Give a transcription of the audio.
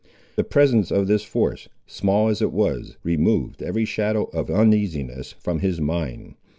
The presence of this force, small as it was, removed every shadow of uneasiness from his mind.